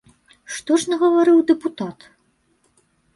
Што ж нагаварыў дэпутат?